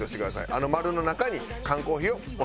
あの丸の中に缶コーヒーを収めれば。